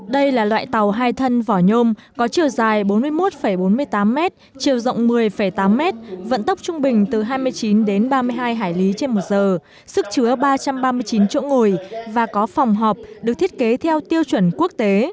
đây là loại tàu hai thân vỏ nhôm có chiều dài bốn mươi một bốn mươi tám m chiều rộng một mươi tám m vận tốc trung bình từ hai mươi chín đến ba mươi hai hải lý trên một giờ sức chứa ba trăm ba mươi chín chỗ ngồi và có phòng họp được thiết kế theo tiêu chuẩn quốc tế